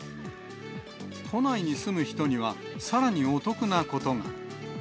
都内に住む人には、さらにお得なことが。